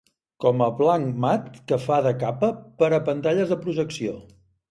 Com a blanc mat que fa de capa per a pantalles de projecció.